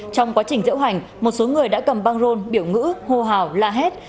trong quá trình diễu hành một số người đã cầm băng rôn biểu ngữ hô hào la hét